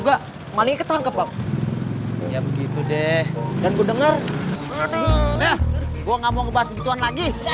sampai jumpa di video selanjutnya